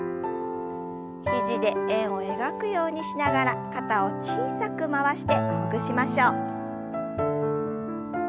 肘で円を描くようにしながら肩を小さく回してほぐしましょう。